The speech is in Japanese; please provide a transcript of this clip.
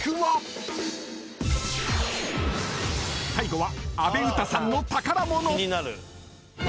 ［最後は］